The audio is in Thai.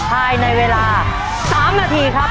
ภายในเวลา๓นาทีครับ